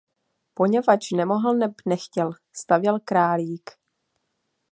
Poněvadž nemohl neb nechtěl, stavěl Králík.